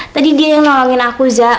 tadi dia yang nolongin aku za